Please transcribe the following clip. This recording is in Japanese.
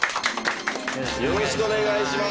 よろしくお願いします。